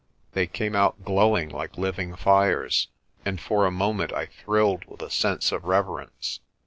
They came out glowing like living fires, and for a moment I thrilled with a sense of reverence.